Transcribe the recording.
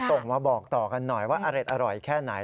ส่งมาบอกต่อกันหน่อยว่าอร่อยแค่ไหน